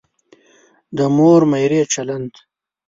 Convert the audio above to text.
د مور میرې چلند.